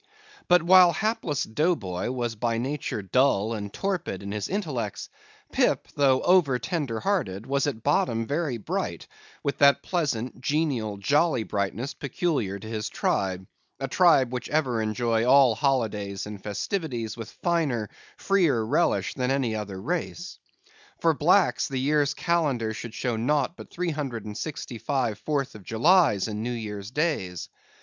But while hapless Dough Boy was by nature dull and torpid in his intellects, Pip, though over tender hearted, was at bottom very bright, with that pleasant, genial, jolly brightness peculiar to his tribe; a tribe, which ever enjoy all holidays and festivities with finer, freer relish than any other race. For blacks, the year's calendar should show naught but three hundred and sixty five Fourth of Julys and New Year's Days.